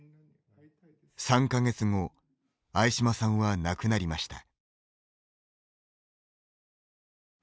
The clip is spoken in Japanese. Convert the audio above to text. ３か月後相嶋さんは亡くなりました。